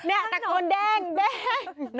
เนี่ยตะโกนแดงแดง